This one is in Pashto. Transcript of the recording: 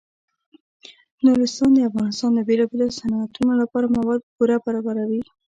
نورستان د افغانستان د بیلابیلو صنعتونو لپاره مواد پوره برابروي.